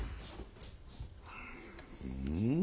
うん？